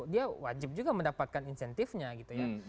dia wajib juga mendapatkan insentifnya gitu ya